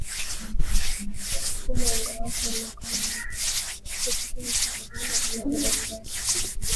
Sukuma unga wako uliokandwa na ukate vipande nne vinavyolingana